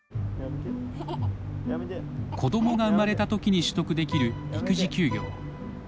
子どもが生まれたときに取得できる育児休業。